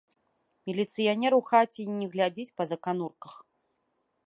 Міліцыянер у хаце й не глядзіць па заканурках.